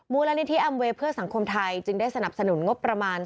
มูลนิธิแอมเวย์เพื่อสังคมไทยจึงได้สนับสนุนงบประมาณ